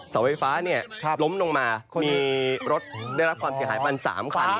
เสาไฟฟ้าล้มลงมามีรถได้รับความเสียหายประมาณ๓คัน